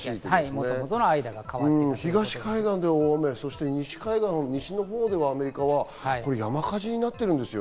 東海岸で大雨、西のほうではアメリカは山火事になってるんですよ